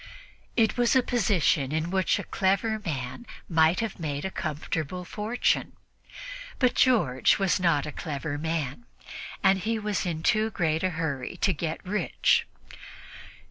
It was a position in which a clever man might have made a comfortable fortune. But George was not a clever man, and he was in too great a hurry to get rich.